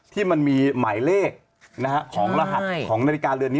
ที่มันมีหมายเลขของรหัสของนาฬิกาเรือนนี้